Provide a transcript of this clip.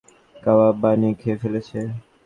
এতদিনে নিশ্চয়ই গ্রামবাসীরা ওকে কাবাব বানিয়ে খেয়ে ফেলেছে!